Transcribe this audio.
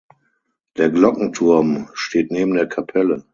Der Glockenturm steht neben der Kapelle.